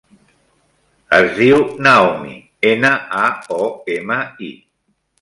Es diu Naomi: ena, a, o, ema, i.